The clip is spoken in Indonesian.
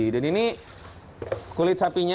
dan ini kulit sapinya